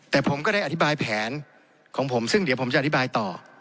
แต่ผมก็ได้อธิบายแผนของผมซึ่งเดี๋ยวผมจะอธิบายต่อ